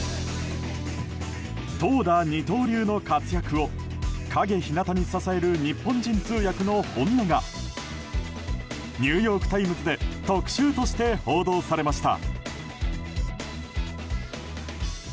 投打二刀流の活躍を陰ひなたに支える日本人通訳の本音がニューヨーク・タイムズで特集として報道されました。